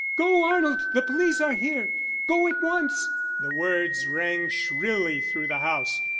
"Go, Arnold, the police are here! Go at once!" The words rang shrilly through the house.